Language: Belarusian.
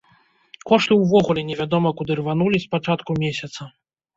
Кошты ўвогуле невядома куды рванулі з пачатку месяца.